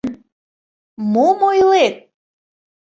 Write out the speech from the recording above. Мом ойлет?!